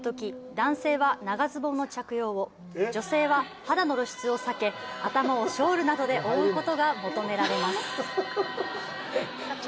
男性は長ズボンの着用を女性は、肌の露出を避け頭をショールなどで覆うことが求められます。